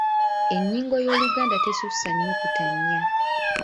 Ennyingo y’Oluganda tesussa nnyukuta nnya.